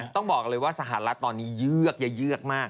ต้องบอกเลยว่าสหรัฐตอนนี้เยือกเยอะเยือกมาก